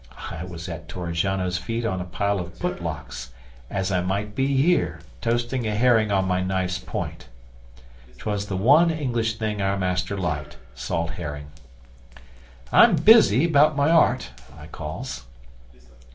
I was at Torrigiano's feet on a pile of put locks, as I might be here, toasting a herring on my knife's point. 'Twas the one English thing our Master liked salt herring. '"I'm busy, about my art," I calls.